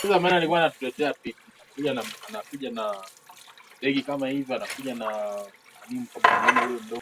kubainisha makundi ya jamii hizo lakini muingiliano bado haujapata ufafanuzi makini